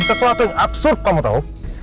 sesuatu yang absurve kamu tahu